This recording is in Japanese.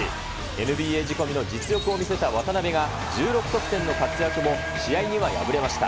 ＮＢＡ仕込みの実力を見せた渡邊が、１６得点の活躍も、試合には敗れました。